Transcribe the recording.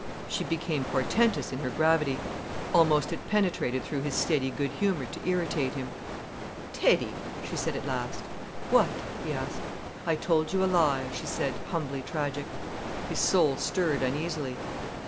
She became portentous in her gravity. Almost it penetrated through his steady good humour to irritate him. "Teddy!" she said at last. "What?" he asked. "I told you a lie," she said, humbly tragic. His soul stirred uneasily.